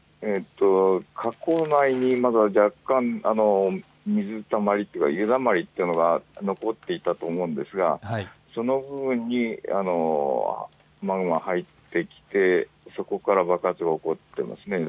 火口内にまずは若干、水たまり、油だまりというものが残っていたと思うんですがその部分にマグマが入ってそこから爆発が起こっていますね。